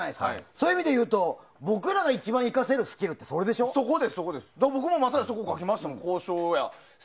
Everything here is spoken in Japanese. そういう意味でいうと僕らが一番生かせるスキルって僕もまさにそれを書きました。